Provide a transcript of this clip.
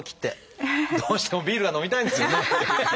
どうしてもビールが飲みたいんですよね。